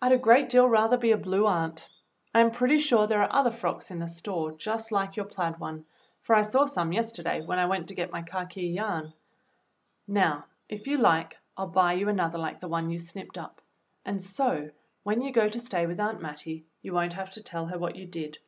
"I'd a great deal rather be a Blue Aunt. I am pretty sure there are other frocks in the store just like your plaid one, for I saw some yesterday when 52 THE BLUE AUNT I went to get my khaki yarn. Now, if you like, I'll buy you another hke the one you snipped up, and so, when you go to stay with Aunt Mattie, you won't have to tell her what you did.